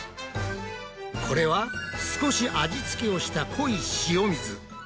これは少し味つけをした濃い塩水。